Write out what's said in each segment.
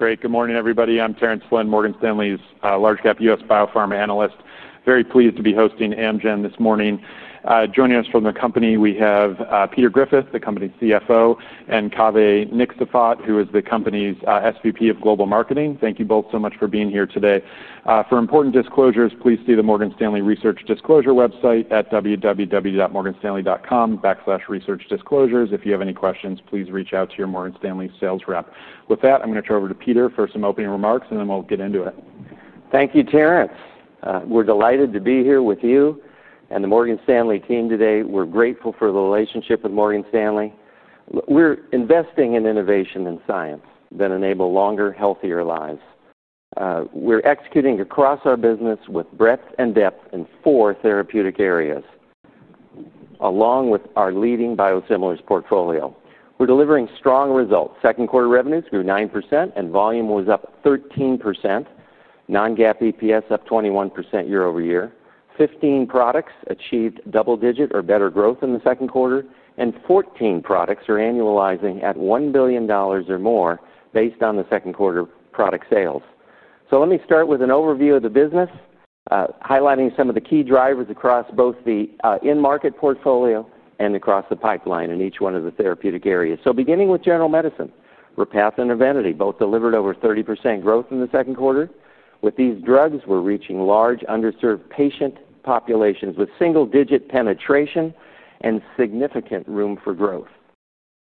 Great. Good morning, everybody. I'm Terence Flynn, Morgan Stanley's large-cap U.S. biopharma analyst. Very pleased to be hosting Amgen this morning. Joining us from the company, we have Peter Griffith, the company's CFO, and Kaveh Niksefat, who is the company's SVP of Global Marketing. Thank you both so much for being here today. For important disclosures, please see the Morgan Stanley Research Disclosure website at www.morganstanley.com/researchdisclosures. If you have any questions, please reach out to your Morgan Stanley sales rep. With that, I'm going to turn it over to Peter for some opening remarks, and then we'll get into it. Thank you, Terence. We're delighted to be here with you and the Morgan Stanley team today. We're grateful for the relationship with Morgan Stanley. We're investing in innovation and science that enable longer, healthier lives. We're executing across our business with breadth and depth in four therapeutic areas, along with our leading biosimilars portfolio. We're delivering strong results. Second quarter revenues grew 9%, and volume was up 13%. Non-GAAP EPS up 21% year over year. Fifteen products achieved double-digit or better growth in the second quarter, and fourteen products are annualizing at $1 billion or more based on the second quarter product sales. Let me start with an overview of the business, highlighting some of the key drivers across both the in-market portfolio and across the pipeline in each one of the therapeutic areas. Beginning with general medicine, Repatha and Evenity both delivered over 30% growth in the second quarter. With these drugs, we're reaching large underserved patient populations with single-digit penetration and significant room for growth.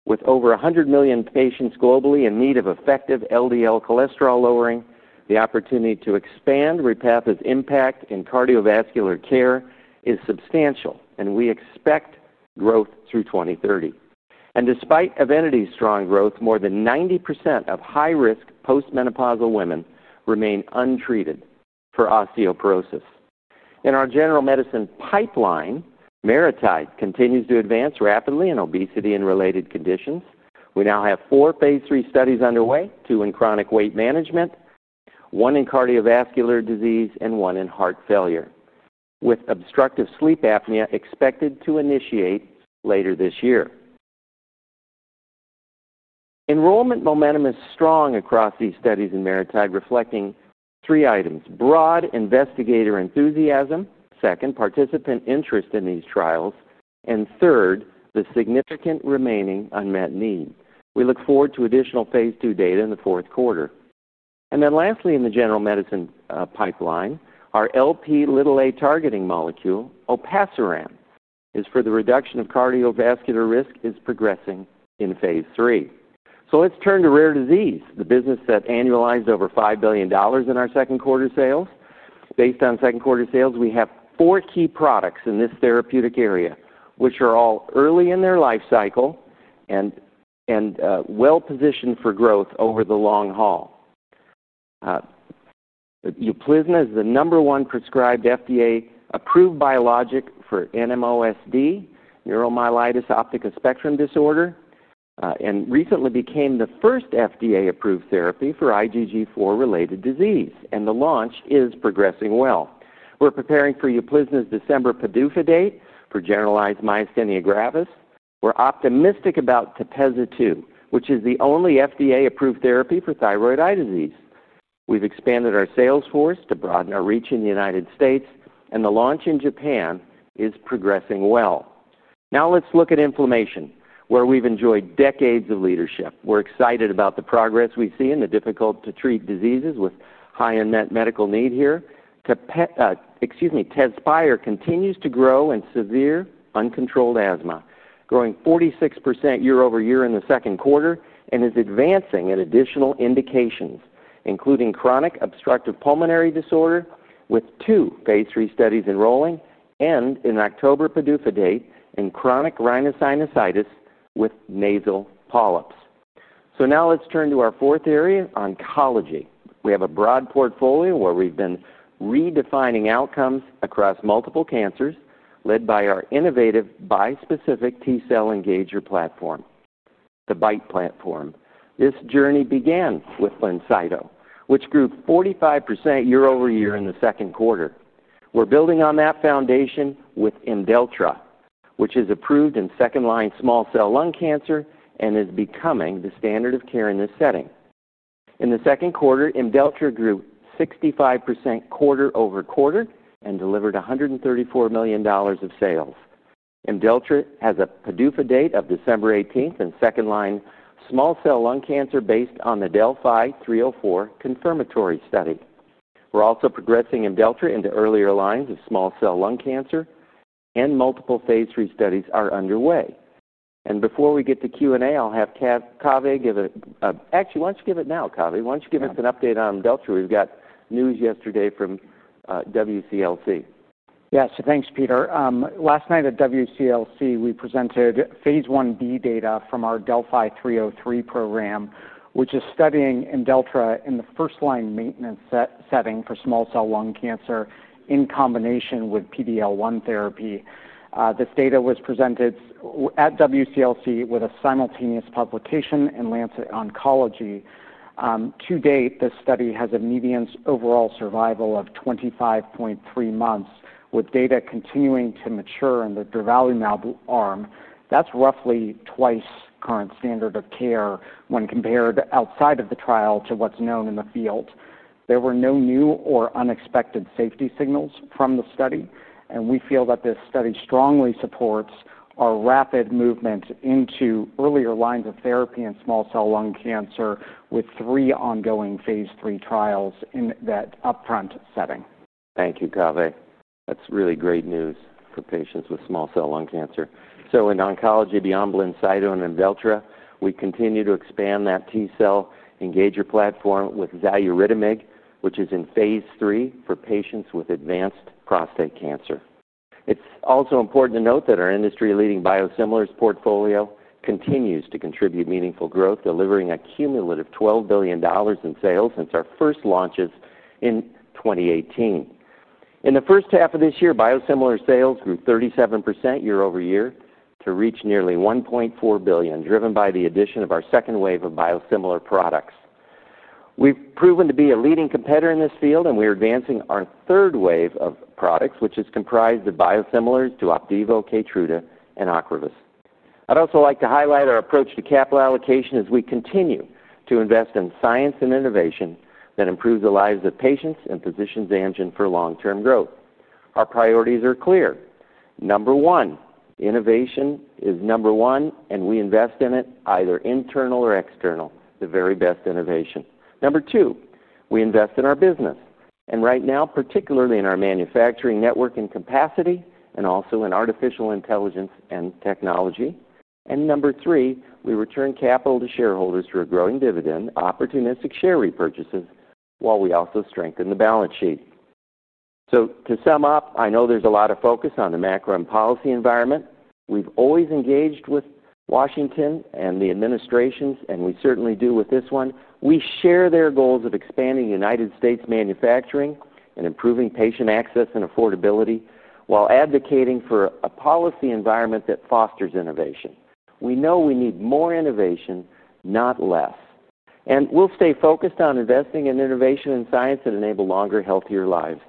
With over 100 million patients globally in need of effective LDL cholesterol-lowering, the opportunity to expand Repatha's impact in cardiovascular care is substantial, and we expect growth through 2030. Despite Evenity's strong growth, more than 90% of high-risk postmenopausal women remain untreated for osteoporosis. In our general medicine pipeline, maridebart cafraglutide continues to advance rapidly in obesity and related conditions. We now have four phase III studies underway, two in chronic weight management, one in cardiovascular disease, and one in heart failure, with obstructive sleep apnea expected to initiate later this year. Enrollment momentum is strong across these studies in maridebart cafraglutide, reflecting three items: broad investigator enthusiasm, participant interest in these trials, and the significant remaining unmet need. We look forward to additional phase II data in the fourth quarter. Lastly, in the general medicine pipeline, our Lp(a) targeting molecule, olpasiran, for the reduction of cardiovascular risk, is progressing in phase III. Let's turn to rare disease, the business that annualized over $5 billion in our second quarter sales. Based on second quarter sales, we have four key products in this therapeutic area, which are all early in their life cycle and well positioned for growth over the long haul. Ultomiris is the number one prescribed FDA-approved biologic for NMOSD, neuromyelitis optica spectrum disorder, and recently became the first FDA-approved therapy for IgG4-related disease, and the launch is progressing well. We're preparing for Ultomiris's December PDUFA date for generalized myasthenia gravis. We're optimistic about Tepezza, which is the only FDA-approved therapy for thyroid eye disease. We've expanded our sales force to broaden our reach in the U.S., and the launch in Japan is progressing well. Now let's look at inflammation, where we've enjoyed decades of leadership. We're excited about the progress we see in the difficult-to-treat diseases with high unmet medical need here. Tezspire continues to grow in severe uncontrolled asthma, growing 46% year over year in the second quarter and is advancing in additional indications, including chronic obstructive pulmonary disorder, with two phase III studies enrolling and an October PDUFA date in chronic rhinosinusitis with nasal polyps. Now let's turn to our fourth area, oncology. We have a broad portfolio where we've been redefining outcomes across multiple cancers, led by our innovative bispecific T-cell engager platform, the BiTE platform. This journey began with Blincyto, which grew 45% year over year in the second quarter. We're building on that foundation with tarlatamab, which is approved in second-line small cell lung cancer and is becoming the standard of care in this setting. In the second quarter, tarlatamab grew 65% quarter over quarter and delivered $134 million of sales. Tarlatamab has a PDUFA date of December 18 in second-line small cell lung cancer based on the DELPHI-304 confirmatory study. We're also progressing tarlatamab into earlier lines of small cell lung cancer, and multiple phase III studies are underway. Before we get to Q&A, I'll have Kaveh give a—actually, why don't you give it now, Kaveh? Why don't you give us an update on tarlatamab? We've got news yesterday from WCLC. Yes, thanks, Peter. Last night at WCLC, we presented phase 1b data from our DELFI-303 program, which is studying Imdelltra in the first-line maintenance setting for small cell lung cancer in combination with PD-L1 therapy. This data was presented at WCLC with a simultaneous publication in Lancet Oncology. To date, this study has a median overall survival of 25.3 months, with data continuing to mature in the durvalumab arm. That's roughly twice current standard of care when compared outside of the trial to what's known in the field. There were no new or unexpected safety signals from the study, and we feel that this study strongly supports our rapid movement into earlier lines of therapy in small cell lung cancer with three ongoing phase 3 trials in that upfront setting. Thank you, Kaveh. That's really great news for patients with small cell lung cancer. In oncology, beyond Blincyto and our T-cell engager platform, we continue to expand with Valiuritamib, which is in phase III for patients with advanced prostate cancer. It's also important to note that our industry-leading biosimilars portfolio continues to contribute meaningful growth, delivering a cumulative $12 billion in sales since our first launches in 2018. In the first half of this year, biosimilars sales grew 37% year over year to reach nearly $1.4 billion, driven by the addition of our second wave of biosimilar products. We've proven to be a leading competitor in this field, and we're advancing our third wave of products, which is comprised of biosimilars to Opdivo, Keytruda, and Ocrevus. I'd also like to highlight our approach to capital allocation as we continue to invest in science and innovation that improve the lives of patients and positions Amgen for long-term growth. Our priorities are clear. Number one, innovation is number one, and we invest in it either internal or external, the very best innovation. Number two, we invest in our business, and right now, particularly in our manufacturing network and capacity and also in artificial intelligence and technology. Number three, we return capital to shareholders through a growing dividend, opportunistic share repurchases, while we also strengthen the balance sheet. To sum up, I know there's a lot of focus on the macro and policy environment. We've always engaged with Washington and the administrations, and we certainly do with this one. We share their goals of expanding U.S. manufacturing and improving patient access and affordability, while advocating for a policy environment that fosters innovation. We know we need more innovation, not less, and we'll stay focused on investing in innovation and science that enable longer, healthier lives.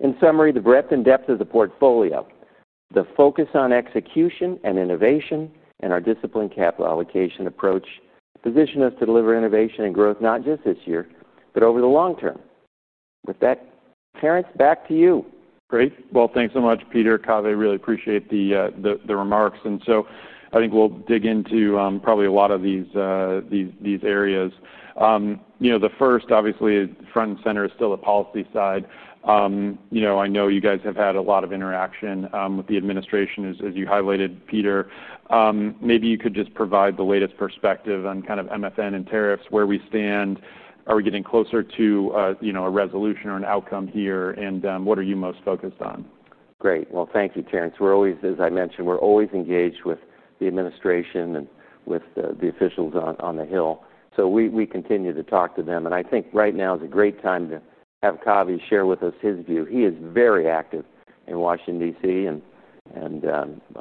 In summary, the breadth and depth of the portfolio, the focus on execution and innovation, and our disciplined capital allocation approach position us to deliver innovation and growth not just this year, but over the long term. With that, Terence, back to you. Great. Thank you so much, Peter, Kaveh. Really appreciate the remarks. I think we'll dig into probably a lot of these areas. The first, obviously, front and center is still the policy side. I know you guys have had a lot of interaction with the administration, as you highlighted, Peter. Maybe you could just provide the latest perspective on kind of MFN and tariffs, where we stand. Are we getting closer to a resolution or an outcome here? What are you most focused on? Great. Thank you, Terence. We're always, as I mentioned, we're always engaged with the administration and with the officials on the Hill. We continue to talk to them. I think right now is a great time to have Kaveh share with us his view. He is very active in Washington, D.C., and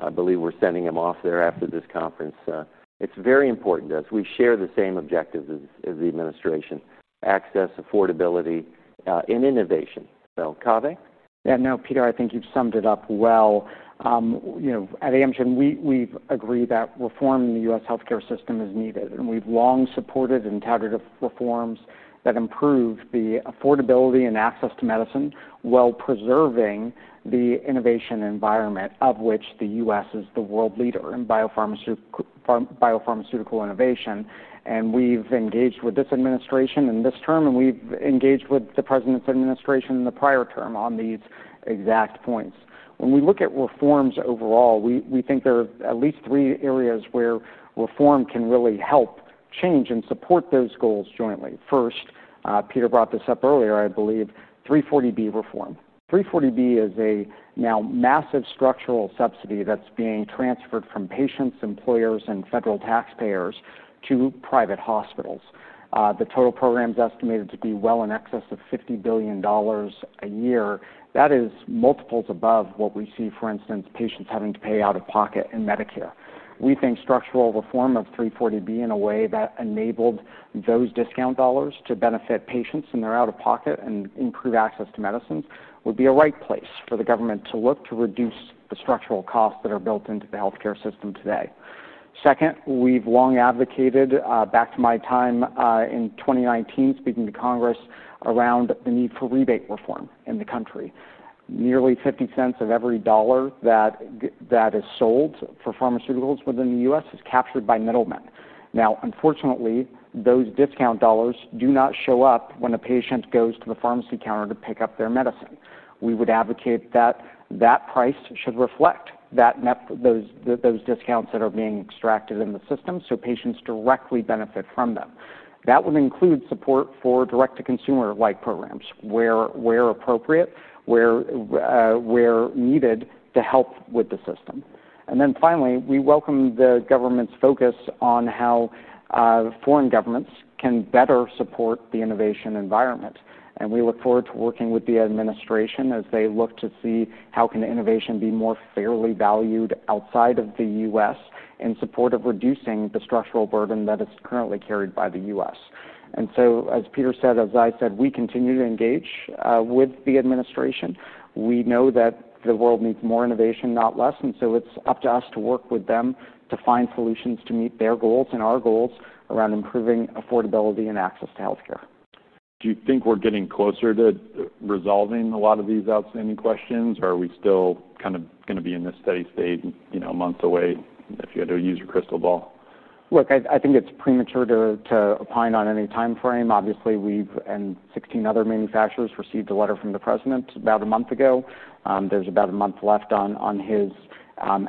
I believe we're sending him off there after this conference. It's very important to us. We share the same objectives as the administration: access, affordability, and innovation. Kaveh? Yeah, no, Peter, I think you've summed it up well. At Amgen, we've agreed that reform in the U.S. health care system is needed, and we've long supported and touted reforms that improve the affordability and access to medicine, while preserving the innovation environment of which the U.S. is the world leader in biopharmaceutical innovation. We've engaged with this administration in this term, and we've engaged with the president's administration in the prior term on these exact points. When we look at reforms overall, we think there are at least three areas where reform can really help change and support those goals jointly. First, Peter brought this up earlier, I believe, 340B reform. 340B is a now massive structural subsidy that's being transferred from patients, employers, and federal taxpayers to private hospitals. The total program is estimated to be well in excess of $50 billion a year. That is multiples above what we see, for instance, patients having to pay out of pocket in Medicare. We think structural reform of 340B in a way that enabled those discount dollars to benefit patients in their out-of-pocket and improve access to medicine would be a right place for the government to look to reduce the structural costs that are built into the health care system today. Second, we've long advocated, back to my time in 2019, speaking to Congress around the need for rebate reform in the country. Nearly $0.50 of every dollar that is sold for pharmaceuticals within the U.S. is captured by middlemen. Unfortunately, those discount dollars do not show up when a patient goes to the pharmacy counter to pick up their medicine. We would advocate that that price should reflect those discounts that are being extracted in the system so patients directly benefit from them. That would include support for direct-to-consumer-like programs where, where appropriate, where needed to help with the system. Finally, we welcome the government's focus on how foreign governments can better support the innovation environment. We look forward to working with the administration as they look to see how innovation can be more fairly valued outside of the U.S. in support of reducing the structural burden that is currently carried by the U.S. As Peter said, as I said, we continue to engage with the administration. We know that the world needs more innovation, not less. It's up to us to work with them to find solutions to meet their goals and our goals around improving affordability and access to health care. Do you think we're getting closer to resolving a lot of these outstanding questions, or are we still kind of going to be in this steady state, you know, a month away, if you had to use your crystal ball? Look, I think it's premature to opine on any time frame. Obviously, we've and 16 other manufacturers received a letter from the President about a month ago. There's about a month left on his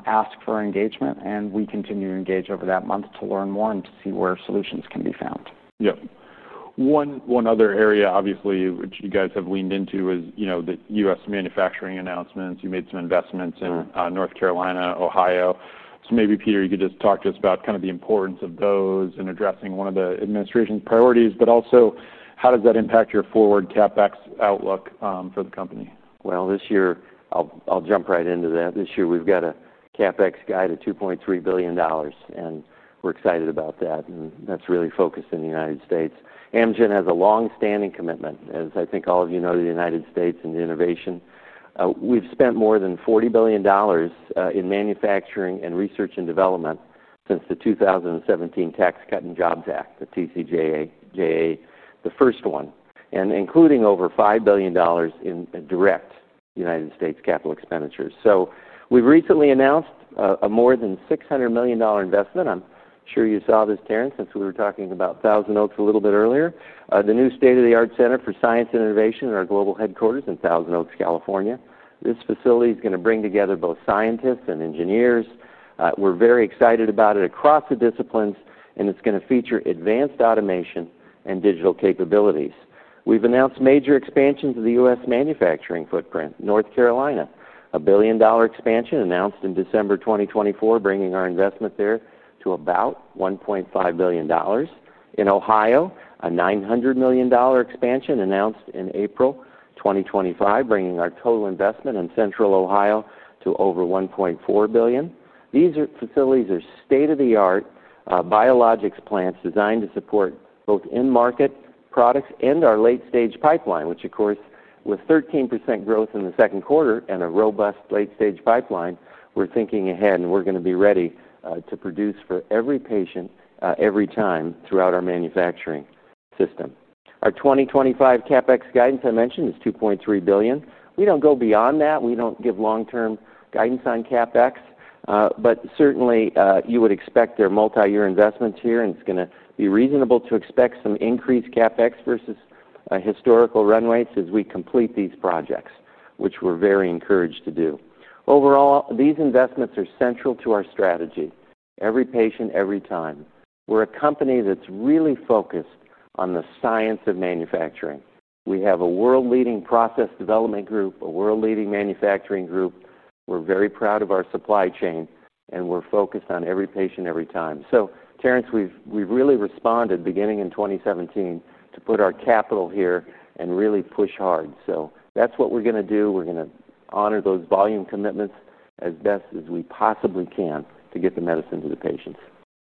ask for engagement, and we continue to engage over that month to learn more and to see where solutions can be found. Yep. One other area, obviously, which you guys have leaned into is, you know, the U.S. manufacturing announcements. You made some investments in North Carolina, Ohio. Maybe, Peter, you could just talk to us about kind of the importance of those in addressing one of the administration's priorities, but also how does that impact your forward CapEx outlook for the company? This year, I'll jump right into that. This year, we've got a CapEx guide of $2.3 billion, and we're excited about that. That's really focused in the United States. Amgen has a longstanding commitment, as I think all of you know, to the United States and innovation. We've spent more than $40 billion in manufacturing and research and development since the 2017 Tax Cut and Jobs Act, the TCJA, the first one, and including over $5 billion in direct United States capital expenditures. We've recently announced a more than $600 million investment. I'm sure you saw this, Terence, since we were talking about Thousand Oaks a little bit earlier. The new state-of-the-art Center for Science and Innovation in our global headquarters in Thousand Oaks, California. This facility is going to bring together both scientists and engineers. We're very excited about it across the disciplines, and it's going to feature advanced automation and digital capabilities. We've announced major expansions of the U.S. manufacturing footprint. North Carolina, a $1 billion expansion announced in December 2024, bringing our investment there to about $1.5 billion. In Ohio, a $900 million expansion announced in April 2025, bringing our total investment in central Ohio to over $1.4 billion. These facilities are state-of-the-art biologics plants designed to support both in-market products and our late-stage pipeline, which, of course, with 13% growth in the second quarter and a robust late-stage pipeline, we're thinking ahead, and we're going to be ready to produce for every patient every time throughout our manufacturing system. Our 2025 CapEx guidance I mentioned is $2.3 billion. We don't go beyond that. We don't give long-term guidance on CapEx, but certainly, you would expect there are multi-year investments here, and it's going to be reasonable to expect some increased CapEx versus historical run rates as we complete these projects, which we're very encouraged to do. Overall, these investments are central to our strategy. Every patient, every time. We're a company that's really focused on the science of manufacturing. We have a world-leading process development group, a world-leading manufacturing group. We're very proud of our supply chain, and we're focused on every patient, every time. Terence, we've really responded beginning in 2017 to put our capital here and really push hard. That's what we're going to do. We're going to honor those volume commitments as best as we possibly can to get the medicine to the patients.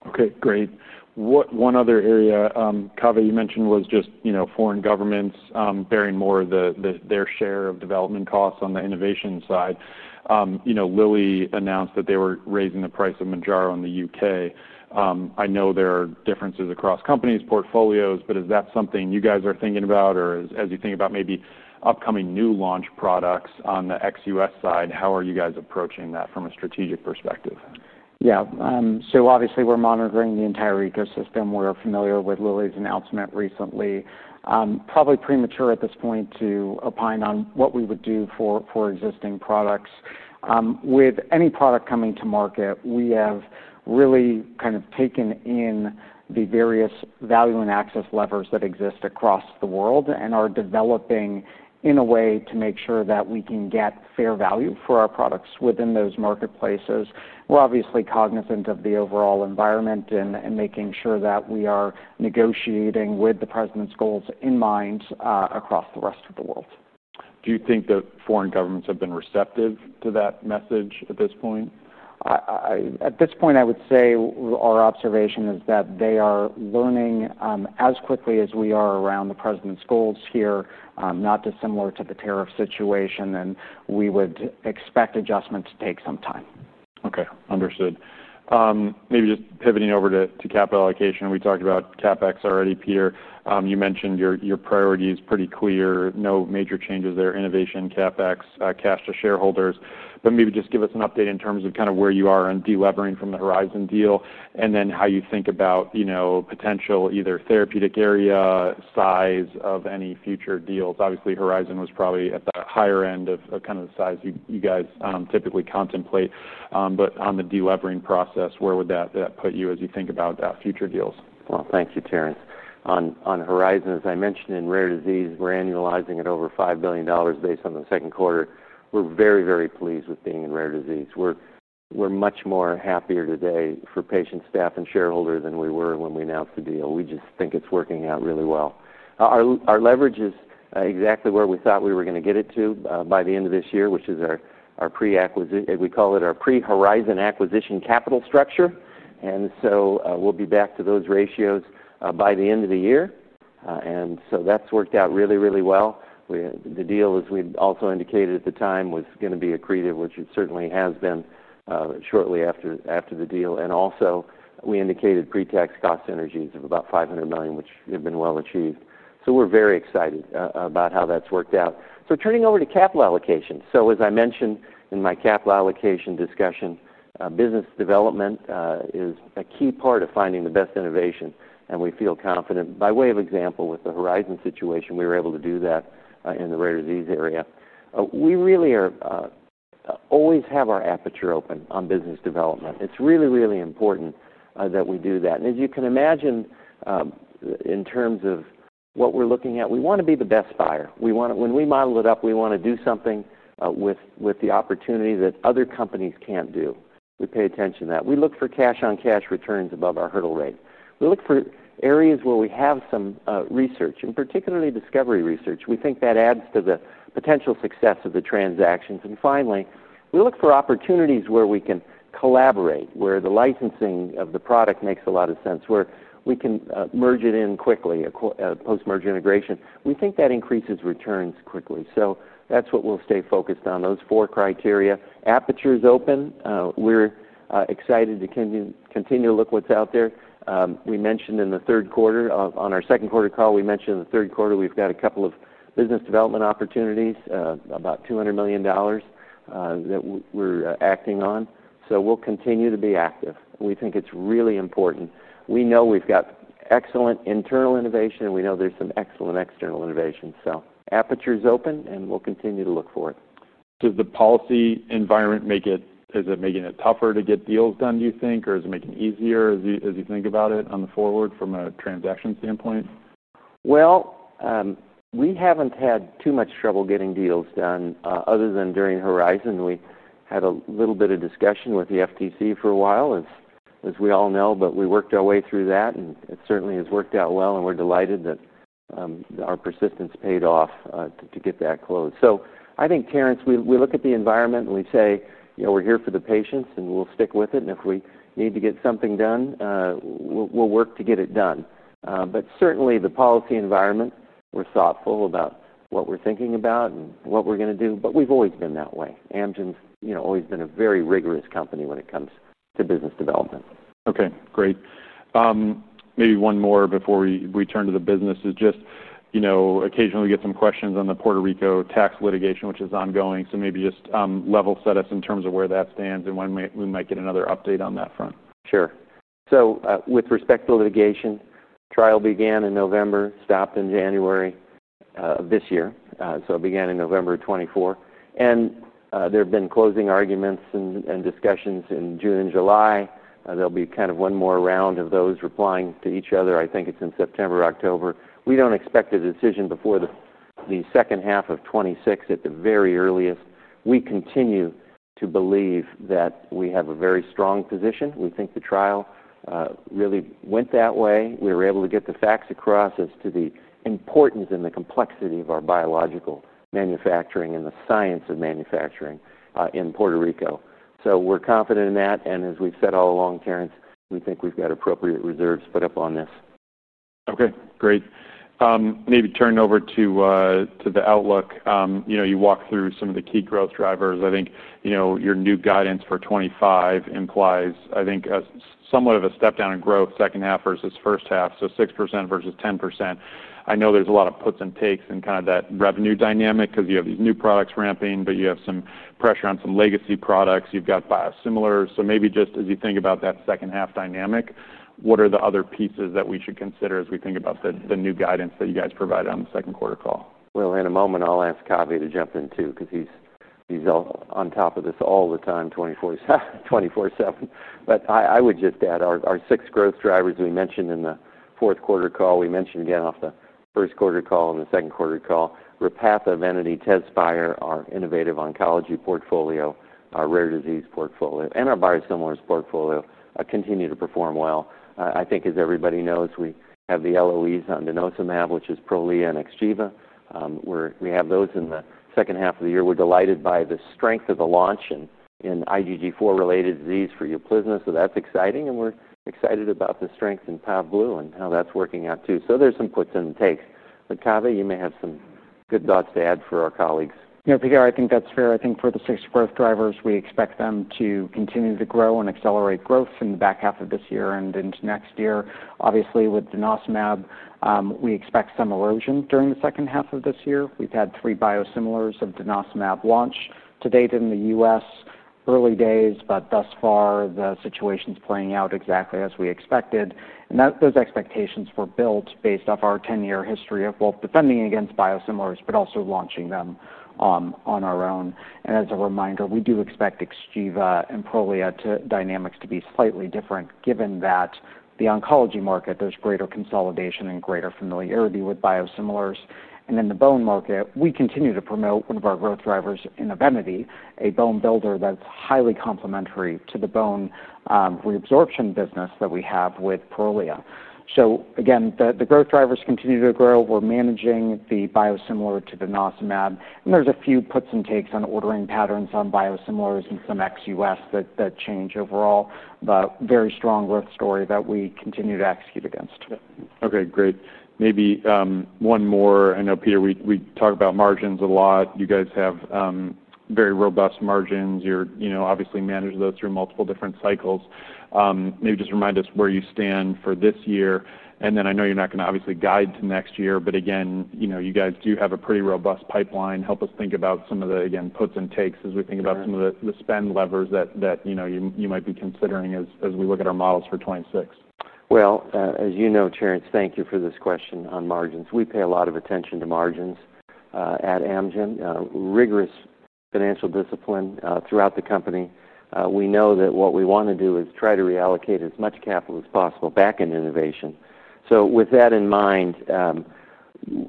Okay, great. One other area, Kaveh, you mentioned was just, you know, foreign governments bearing more of their share of development costs on the innovation side. Lilly announced that they were raising the price of Mounjaro in the U.K. I know there are differences across companies' portfolios, but is that something you guys are thinking about, or as you think about maybe upcoming new launch products on the ex-U.S. side, how are you guys approaching that from a strategic perspective? Yeah, obviously, we're monitoring the entire ecosystem. We're familiar with Lilly's announcement recently. Probably premature at this point to opine on what we would do for existing products. With any product coming to market, we have really kind of taken in the various value and access levers that exist across the world and are developing in a way to make sure that we can get fair value for our products within those marketplaces. We're obviously cognizant of the overall environment and making sure that we are negotiating with the President's goals in mind across the rest of the world. Do you think that foreign governments have been receptive to that message at this point? At this point, I would say our observation is that they are learning as quickly as we are around the President's goals here, not dissimilar to the tariff situation, and we would expect adjustments to take some time. Okay, understood. Maybe just pivoting over to capital allocation, we talked about CapEx already, Peter. You mentioned your priority is pretty clear, no major changes there, innovation, CapEx, cash to shareholders. Maybe just give us an update in terms of kind of where you are in delevering from the Horizon deal and then how you think about, you know, potential either therapeutic area, size of any future deals. Obviously, Horizon was probably at the higher end of kind of the size you guys typically contemplate. On the delevering process, where would that put you as you think about future deals? Thank you, Terence. On Horizon, as I mentioned, in rare disease, we're annualizing at over $5 billion based on the second quarter. We're very, very pleased with being in rare disease. We're much more happier today for patients, staff, and shareholders than we were when we announced the deal. We just think it's working out really well. Our leverage is exactly where we thought we were going to get it to by the end of this year, which is our pre-acquisition, we call it our pre-Horizon acquisition capital structure. We'll be back to those ratios by the end of the year, and that's worked out really, really well. The deal, as we also indicated at the time, was going to be accretive, which it certainly has been shortly after the deal. We also indicated pre-tax cost synergies of about $500 million, which have been well achieved. We're very excited about how that's worked out. Turning over to capital allocation, as I mentioned in my capital allocation discussion, business development is a key part of finding the best innovation, and we feel confident by way of example with the Horizon situation, we were able to do that in the rare disease area. We really always have our aperture open on business development. It's really, really important that we do that. As you can imagine, in terms of what we're looking at, we want to be the best buyer. When we model it up, we want to do something with the opportunity that other companies can't do. We pay attention to that. We look for cash-on-cash returns above our hurdle rate. We look for areas where we have some research, and particularly discovery research. We think that adds to the potential success of the transactions. Finally, we look for opportunities where we can collaborate, where the licensing of the product makes a lot of sense, where we can merge it in quickly, post-merge integration. We think that increases returns quickly. That's what we'll stay focused on, those four criteria. Aperture is open. We're excited to continue to look what's out there. We mentioned in the third quarter, on our second quarter call, we mentioned in the third quarter we've got a couple of business development opportunities, about $200 million that we're acting on. We'll continue to be active. We think it's really important. We know we've got excellent internal innovation, and we know there's some excellent external innovation. Aperture is open, and we'll continue to look for it. Does the policy environment make it, is it making it tougher to get deals done, do you think, or is it making it easier as you think about it on the forward from a transaction standpoint? We haven't had too much trouble getting deals done other than during Horizon. We had a little bit of discussion with the FTC for a while, as we all know, but we worked our way through that, and it certainly has worked out well, and we're delighted that our persistence paid off to get that closed. I think, Terence, we look at the environment and we say, you know, we're here for the patients, and we'll stick with it. If we need to get something done, we'll work to get it done. Certainly, the policy environment, we're thoughtful about what we're thinking about and what we're going to do, but we've always been that way. Amgen's, you know, always been a very rigorous company when it comes to business development. Okay, great. Maybe one more before we turn to the business is just, you know, occasionally we get some questions on the Puerto Rico tax litigation, which is ongoing. Maybe just level set us in terms of where that stands and when we might get another update on that front. Sure. With respect to litigation, trial began in November, stopped in January of this year. It began in November 2024. There have been closing arguments and discussions in June and July. There will be one more round of those replying to each other, I think it's in September or October. We do not expect a decision before the second half of 2026 at the very earliest. We continue to believe that we have a very strong position. We think the trial really went that way. We were able to get the facts across as to the importance and the complexity of our biological manufacturing and the science of manufacturing in Puerto Rico. We are confident in that. As we've said all along, Terence, we think we've got appropriate reserves put up on this. Okay, great. Maybe turn over to the outlook. You know, you walked through some of the key growth drivers. I think your new guidance for 2025 implies, I think, somewhat of a stepdown in growth, second half versus first half, so 6% versus 10%. I know there's a lot of puts and takes in kind of that revenue dynamic because you have these new products ramping, but you have some pressure on some legacy products. You've got biosimilars. Maybe just as you think about that second half dynamic, what are the other pieces that we should consider as we think about the new guidance that you guys provided on the second quarter call? In a moment, I'll ask Kaveh to jump in too, because he's on top of this all the time, 24/7. I would just add our six growth drivers we mentioned in the fourth quarter call, we mentioned again off the first quarter call and the second quarter call. Repatha, Evenity, Tezspire, our innovative oncology portfolio, our rare disease portfolio, and our biosimilars portfolio continue to perform well. I think, as everybody knows, we have the LOEs on denosumab, which is Prolia and XGEVA. We have those in the second half of the year. We're delighted by the strength of the launch in IgG4-related disease for Efgartigimod, so that's exciting. We're excited about the strength in Problimab and how that's working out too. There are some puts and takes. Kaveh, you may have some good thoughts to add for our colleagues. Yeah, Peter, I think that's fair. I think for the six growth drivers, we expect them to continue to grow and accelerate growth in the back half of this year and into next year. Obviously, with denosumab, we expect some erosion during the second half of this year. We've had three biosimilars of denosumab launch to date in the U.S., early days, but thus far, the situation's playing out exactly as we expected. Those expectations were built based off our 10-year history of both defending against biosimilars, but also launching them on our own. As a reminder, we do expect XGEVA and Prolia dynamics to be slightly different, given that the oncology market, there's greater consolidation and greater familiarity with biosimilars. In the bone market, we continue to promote one of our growth drivers in Evenity, a bone builder that's highly complementary to the bone resorption business that we have with Prolia. The growth drivers continue to grow. We're managing the biosimilar to denosumab. There are a few puts and takes on ordering patterns on biosimilars and some ex-U.S. that change overall, but very strong growth story that we continue to execute against. Okay, great. Maybe one more. I know, Peter, we talk about margins a lot. You guys have very robust margins. You obviously managed those through multiple different cycles. Maybe just remind us where you stand for this year. I know you're not going to obviously guide to next year, but again, you guys do have a pretty robust pipeline. Help us think about some of the, again, puts and takes as we think about some of the spend levers that you might be considering as we look at our models for 2026. As you know, Terence, thank you for this question on margins. We pay a lot of attention to margins at Amgen. Rigorous financial discipline throughout the company. We know that what we want to do is try to reallocate as much capital as possible back into innovation. With that in mind,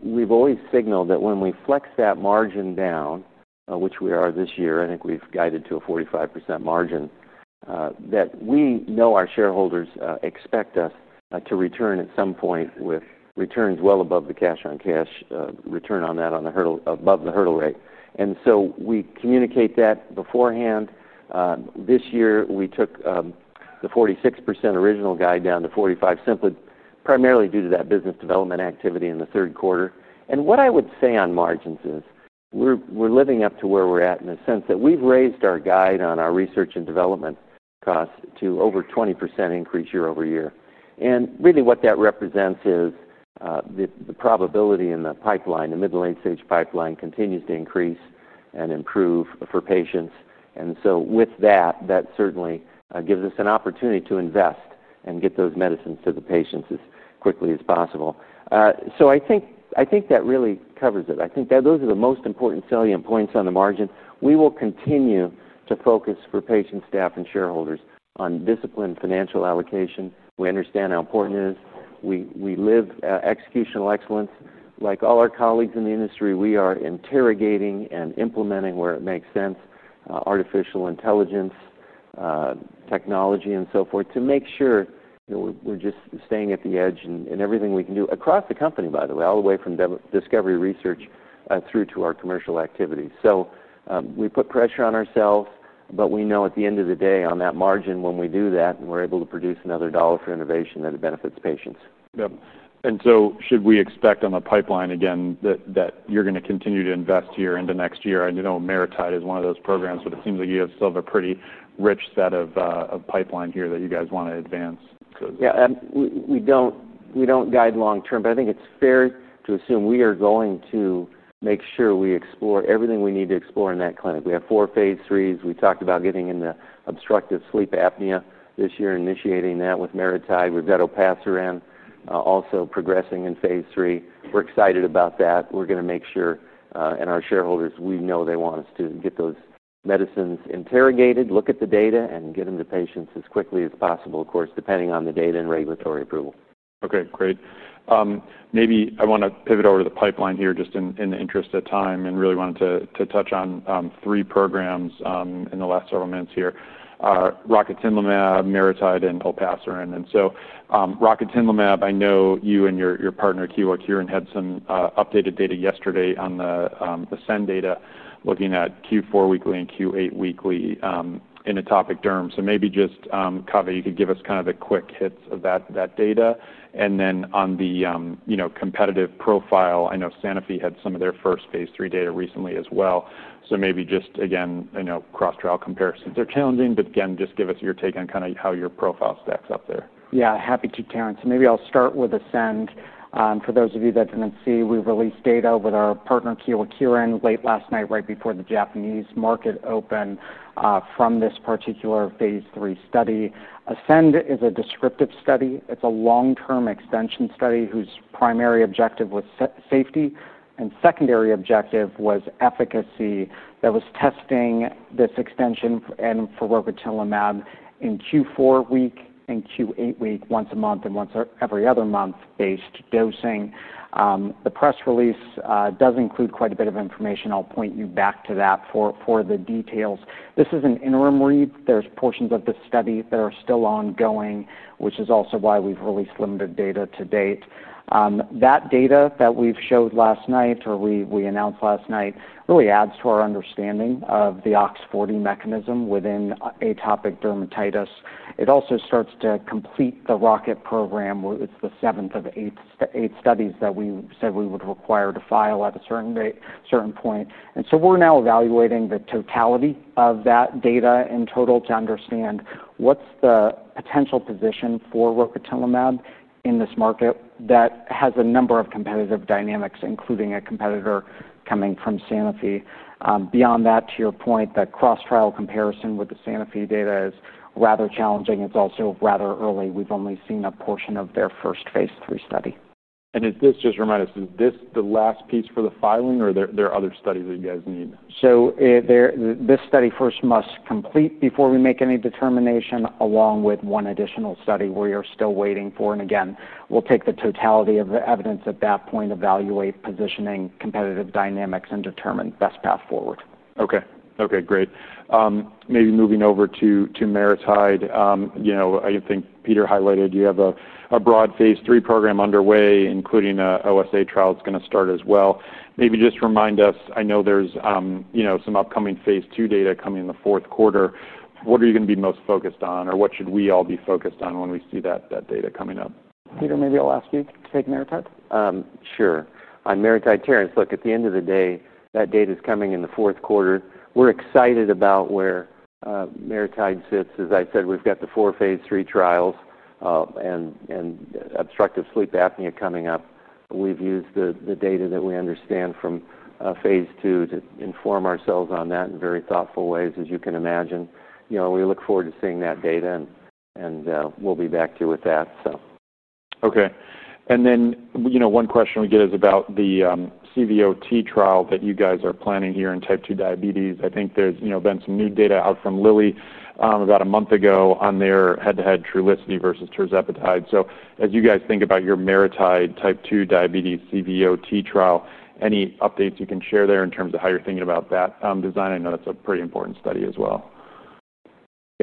we've always signaled that when we flex that margin down, which we are this year, I think we've guided to a 45% margin, that we know our shareholders expect us to return at some point with returns well above the cash-on-cash return on that above the hurdle rate. We communicate that beforehand. This year, we took the 46% original guide down to 45%, primarily due to that business development activity in the third quarter. What I would say on margins is we're living up to where we're at in the sense that we've raised our guide on our research and development costs to over a 20% increase year over year. What that represents is the probability in the pipeline, the middle-aged pipeline continues to increase and improve for patients. With that, that certainly gives us an opportunity to invest and get those medicines to the patients as quickly as possible. I think that really covers it. I think that those are the most important salient points on the margin. We will continue to focus for patients, staff, and shareholders on disciplined financial allocation. We understand how important it is. We live executional excellence. Like all our colleagues in the industry, we are interrogating and implementing where it makes sense, artificial intelligence, technology, and so forth to make sure that we're just staying at the edge in everything we can do across the company, by the way, all the way from discovery research through to our commercial activities. We put pressure on ourselves, but we know at the end of the day on that margin, when we do that and we're able to produce another dollar for innovation that it benefits patients. Yes. Should we expect on the pipeline again that you're going to continue to invest here into next year? I know Maritide is one of those programs, but it seems like you have still a pretty rich set of pipeline here that you guys want to advance. Yeah, we don't guide long term, but I think it's fair to assume we are going to make sure we explore everything we need to explore in that clinic. We have four phase IIIs. We talked about getting into obstructive sleep apnea this year, initiating that with maridebart cafraglutide. We've got olpasiran also progressing in phase III. We're excited about that. We're going to make sure, and our shareholders, we know they want us to get those medicines interrogated, look at the data, and get them to patients as quickly as possible, of course, depending on the data and regulatory approval. Okay, great. Maybe I want to pivot over to the pipeline here just in the interest of time and really wanted to touch on three programs in the last several minutes here: Rocatinlimab, Maridebart Cafraglutide, and Olpasiran. Rocatinlimab, I know you and your partner at Kyowa Kirin, Kieran, had some updated data yesterday on the SEN data, looking at Q4 weekly and Q8 weekly in atopic derm. Maybe just, Kaveh, you could give us kind of the quick hits of that data. On the competitive profile, I know Sanofi had some of their first phase III data recently as well. Cross-trial comparisons are challenging, but just give us your take on kind of how your profile stacks up there. Yeah, happy to, Terence. Maybe I'll start with Ascend. For those of you that didn't see, we released data with our partner Kyowa Kirin late last night, right before the Japanese market open from this particular phase III study. Ascend is a descriptive study. It's a long-term extension study whose primary objective was safety, and secondary objective was efficacy. That was testing this extension for Rocatinlimab in Q4 week and Q8 week, once a month and once every other month-based dosing. The press release does include quite a bit of information. I'll point you back to that for the details. This is an interim read. There are portions of the study that are still ongoing, which is also why we've released limited data to date. The data that we showed last night or we announced last night really adds to our understanding of the OX40 mechanism within atopic dermatitis. It also starts to complete the Rocatinlimab program. It's the seventh of eight studies that we said we would require to file at a certain point. We're now evaluating the totality of that data in total to understand what's the potential position for Rocatinlimab in this market that has a number of competitive dynamics, including a competitor coming from Sanofi. Beyond that, to your point, that cross-trial comparison with the Sanofi data is rather challenging. It's also rather early. We've only seen a portion of their first phase III study. Is this, just to remind us, the last piece for the filing, or are there other studies that you guys need? This study first must complete before we make any determination, along with one additional study we are still waiting for. We'll take the totality of the evidence at that point, evaluate positioning, competitive dynamics, and determine the best path forward. Okay, great. Maybe moving over to Maritide, I think Peter highlighted you have a broad phase III program underway, including an OSA trial that's going to start as well. Maybe just remind us, I know there's some upcoming phase II data coming in the fourth quarter. What are you going to be most focused on or what should we all be focused on when we see that data coming up? Peter, maybe I'll ask you to take Maritide. Sure. On Maritide, Terence, at the end of the day, that data is coming in the fourth quarter. We're excited about where Maritide sits. As I said, we've got the four phase III trials in obstructive sleep apnea coming up. We've used the data that we understand from phase II to inform ourselves on that in very thoughtful ways, as you can imagine. We look forward to seeing that data, and we'll be back here with that. Okay. One question we get is about the CVOT trial that you guys are planning here in type 2 diabetes. I think there's been some new data out from Lilly about a month ago on their head-to-head Trulicity versus Tirzepatide. As you guys think about your Maritide type 2 diabetes CVOT trial, any updates you can share there in terms of how you're thinking about that design? I know that's a pretty important study as well.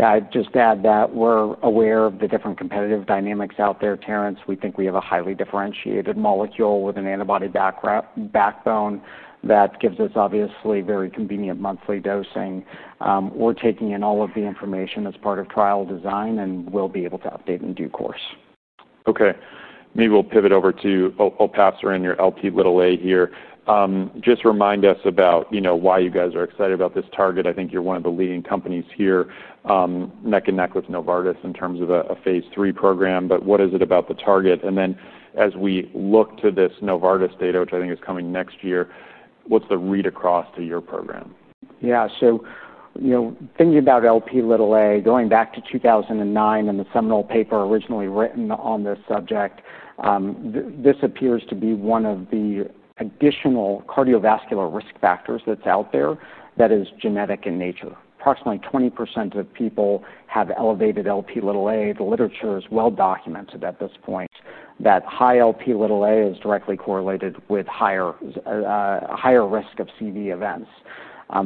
I'd just add that we're aware of the different competitive dynamics out there, Terence. We think we have a highly differentiated molecule with an antibody backbone that gives us obviously very convenient monthly dosing. We're taking in all of the information as part of trial design, and we'll be able to update in due course. Okay. Maybe we'll pivot over to olpasiran, your Lp(a) here. Just remind us about, you know, why you guys are excited about this target. I think you're one of the leading companies here, neck and neck with Novartis in terms of a phase III program. What is it about the target? As we look to this Novartis data, which I think is coming next year, what's the read across to your program? Yeah, so, you know, thinking about Lp(a), going back to 2009 and the seminal paper originally written on this subject, this appears to be one of the additional cardiovascular risk factors that's out there that is genetic in nature. Approximately 20% of people have elevated Lp(a). The literature is well documented at this point that high Lp(a) is directly correlated with higher risk of CV events.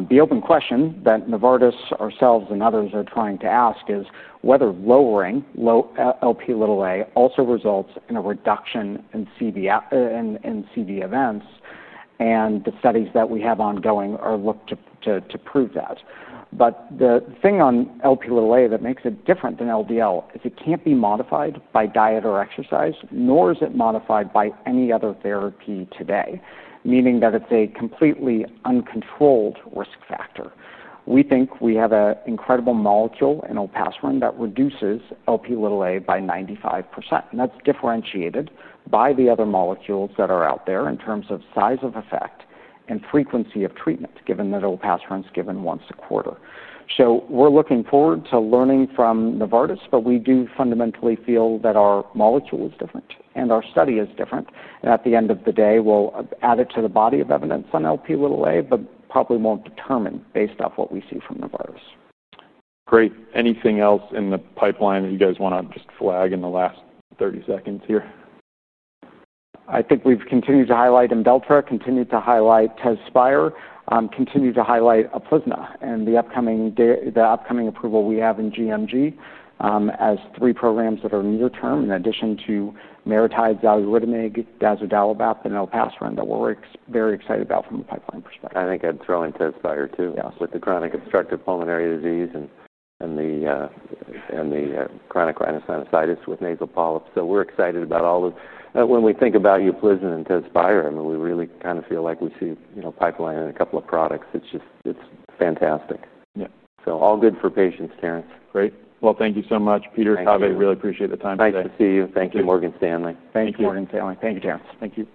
The open question that Novartis, ourselves, and others are trying to ask is whether lowering Lp(a) also results in a reduction in CV events. The studies that we have ongoing look to prove that. The thing on Lp(a) that makes it different than LDL is it can't be modified by diet or exercise, nor is it modified by any other therapy today, meaning that it's a completely uncontrolled risk factor. We think we have an incredible molecule in Opasitamab that reduces Lp(a) by 95%. That's differentiated by the other molecules that are out there in terms of size of effect and frequency of treatment, given that Opasitamab's given once a quarter. We're looking forward to learning from Novartis, but we do fundamentally feel that our molecule is different and our study is different. At the end of the day, we'll add it to the body of evidence on Lp(a), but probably won't determine based off what we see from Novartis. Great. Anything else in the pipeline that you guys want to just flag in the last 30 seconds here? I think we've continued to highlight Blincyto, continued to highlight Tepezza, continued to highlight Eculizumab and the upcoming approval we have in GMG as three programs that are near term in addition to Maritide, Valiuritamib, Dazodilabop, and Opassiram that we're very excited about from a pipeline perspective. I think I'd throw in Tepezza too with the chronic obstructive pulmonary disease and the chronic rhinosinusitis with nasal polyps. We're excited about all those. When we think about Eculizumab and Tepezza, I mean, we really kind of feel like we see, you know, pipeline in a couple of products. It's just, it's fantastic. Yeah. All good for patients, Terence. Great. Thank you so much, Peter, Kaveh. Really appreciate the time today. Nice to see you. Thank you, Morgan Stanley. Thank you, Morgan Stanley. Thank you, Terence. Thank you.